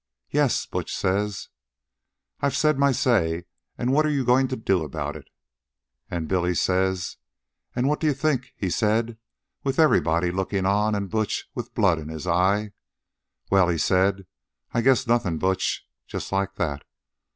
'Yes,' Butch says; 'I've said my say, an' what are you goin' to do about it?' An' Billy says an' what d'ye think he said, with everybody lookin' on an' Butch with blood in his eye? Well, he said, 'I guess nothin', Butch.' Just like that.